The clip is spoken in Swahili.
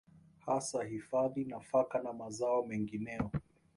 hasa kuhifadhi nafaka na mazao mengineyo